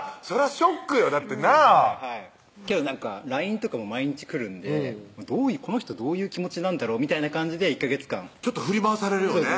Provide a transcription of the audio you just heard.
ショックよだってなぁはいけどＬＩＮＥとかも毎日来るんでこの人どういう気持ちなんだろうみたいな感じで１ヵ月間ちょっと振り回されるよね